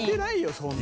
そんな。